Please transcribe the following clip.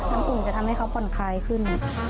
น้ำอุ่นจะทำให้เขาปล่อยคลายขึ้น